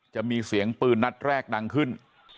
จะมีเสียงปืนนัดแรกดังขึ้น